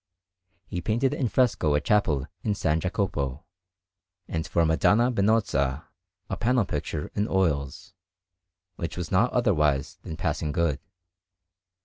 He painted in fresco a chapel in S. Jacopo, and for Madonna Benozza a panel picture in oils, which was not otherwise than passing good.